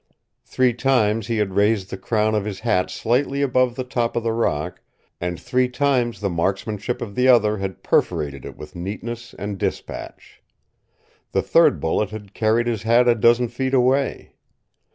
Three times he had raised the crown of his hat slightly above the top of the rock, and three times the marksmanship of the other had perforated it with neatness and dispatch. The third bullet had carried his hat a dozen feet away.